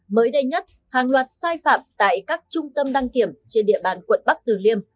mới đây nhất hàng loạt sai phạm tại các trung tâm đăng kiểm trên địa bàn quận bắc tử liêm